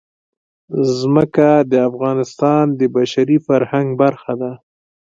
ځمکه د افغانستان د بشري فرهنګ برخه ده.